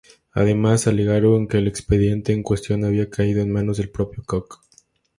Además, alegaron que el expediente en cuestión había caído en manos del propio Kok.